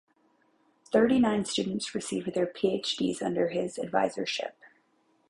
Thirty-nine students received their Ph.D's under his advisorship.